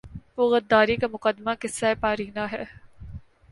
وہ غداری کا مقدمہ قصۂ پارینہ ہے۔